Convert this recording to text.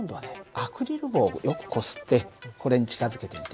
アクリル棒をよくこすってこれに近づけてみて。